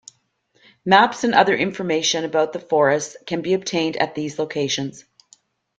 Maps and other information about the forests can be obtained at these locations.